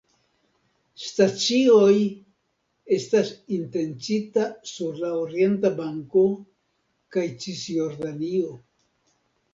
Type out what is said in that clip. Stacioj estas intencita sur la Orienta Banko kaj Cisjordanio.